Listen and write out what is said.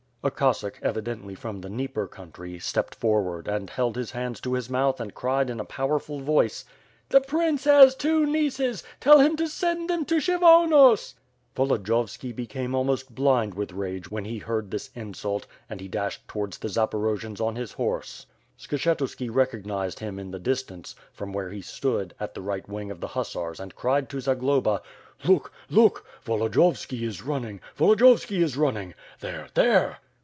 A Cossack, evidently from the Dnieper country, stepped forward and held his hands to his mouth and cried in a powerful voice: "The prince has two nieces. Tell him to send them to Kshyvonos." Volodiyovski became almost blind with rage when he heard this insult and he dashed towards the Zaporojians on his horse. Skshetuski recognized him in the distance, from where he stood, at the right wing of the hussars and cried to Zagloba: "Look; Lookl Volodiyovski is runing, Volodiyovski is running. There — there